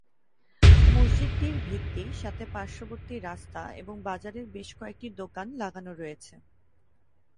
মসজিদটির ভিত্তি সাথে পার্শ্ববর্তী রাস্তা এবং বাজারের বেশ কয়েকটি দোকান লাগানো রয়েছে।